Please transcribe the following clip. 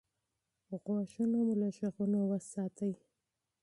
غوږونه مو له غږونو وساتئ.